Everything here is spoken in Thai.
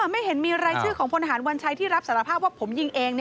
ไม่เห็นมีรายชื่อของพลหารวัญชัยที่รับสารภาพว่าผมยิงเอง